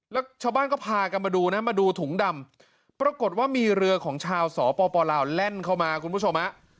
แล้วชาวบ้านก็พากันมาดูนะมาดูถุงดำปรากฏว่ามีเรือของชาวสปลาวแล่นเข้ามาคุณผู้ชมฮะ